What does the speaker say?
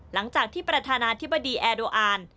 หลังจากที่ประธานาธิบดีแอร์โดอาน